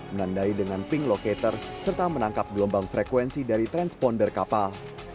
menandai dengan pink locator serta menangkap gelombang frekuensi dari transponder kapal